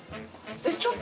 えっ